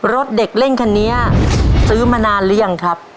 รถเด็กเล่นคันนี้ซื้อมานานหรือยังครับ